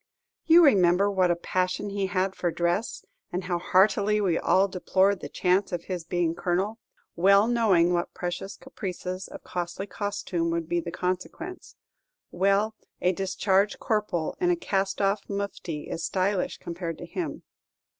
You remember what a passion he had for dress, and how heartily we all deplored the chance of his being colonel, well knowing what precious caprices of costly costume would be the consequence; well, a discharged corporal in a cast off mufti is stylish compared to him.